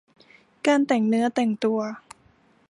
การแต่งเนื้อแต่งตัว